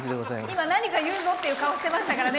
もう何かいうぞって感じがしてましたからね。